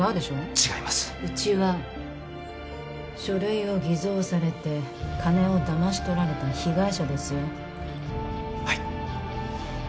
違いますうちは書類を偽造されて金を騙し取られた被害者ですよはい！